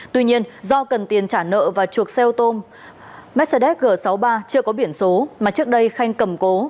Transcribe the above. tuy nhiên do cần tiền trả nợ và chuộc xe ô tô mercedes g sáu mươi ba chưa có biển số mà trước đây khanh cầm cố